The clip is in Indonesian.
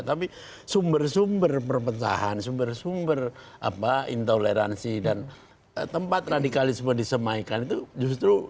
tapi sumber sumber perpecahan sumber sumber intoleransi dan tempat radikalisme disemaikan itu justru